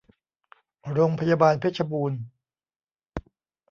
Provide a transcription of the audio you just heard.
โรงพยาบาลเพชรบูรณ์